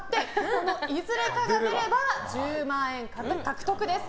このいずれかが出れば１０万円獲得です。